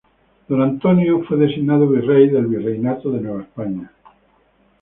Don Antonio fue designado virrey del Virreinato de Nueva España.